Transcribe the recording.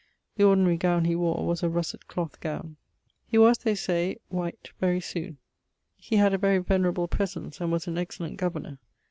The ordinary gowne he wore was a russet cloath gowne. He was, they say, white very soon; he had a very venerable presence, and was an excellent governour.